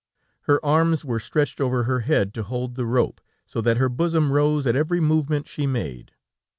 Her arms were stretched over her head to hold the rope, so that her bosom rose at every movement she made.